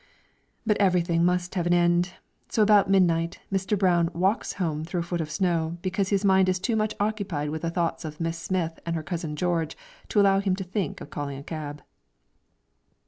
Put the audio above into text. But everything must have an end, and so about midnight Mr. Brown walks home through a foot of snow, because his mind is too much occupied with thoughts of Miss Smith and her cousin George, to allow him to think of calling a cab.